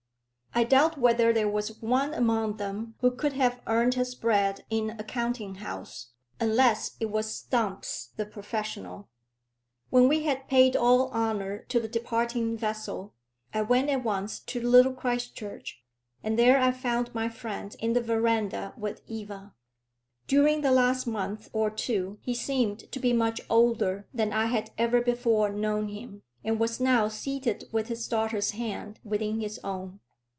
I doubt whether there was one among them who could have earned his bread in a counting house, unless it was Stumps the professional. When we had paid all honour to the departing vessel, I went at once to Little Christchurch, and there I found my friend in the verandah with Eva. During the last month or two he seemed to be much older than I had ever before known him, and was now seated with his daughter's hand within his own.